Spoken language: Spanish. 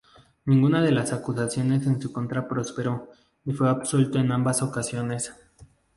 Ninguna de las acusaciones en su contra prosperó, y fue absuelto en ambas ocasiones.